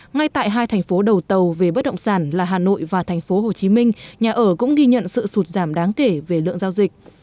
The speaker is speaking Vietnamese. ngay tại hai thành phố đầu tàu về bất động sản là hà nội và thành phố hồ chí minh nhà ở cũng ghi nhận sự sụt giảm đáng kể về lượng giao dịch